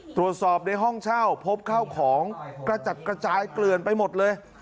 ตรวจสอบในห้องเช่าพบเข้าของกระจัดกระจายเกลื่อนไปหมดเลย